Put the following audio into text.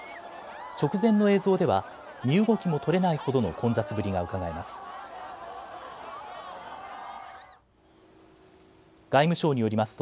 直前の映像では身動きも取れないほどの混雑ぶりがうかがえます。